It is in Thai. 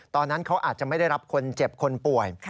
ตอนนั้นเขาอาจจะไม่ได้รับคนเจ็บคนป่วย